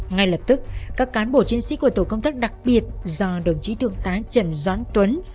ngay lập tức các cán bộ chiến sĩ của tổ công tác đặc biệt do đồng chí thượng tá trần doãn tuấn